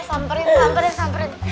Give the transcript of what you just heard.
samperin samperin samperin